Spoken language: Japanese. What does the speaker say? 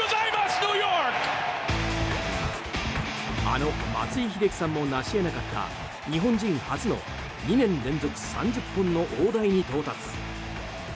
あの松井秀喜さんも成し得なかった日本人初の２年連続３０本の大台に到達。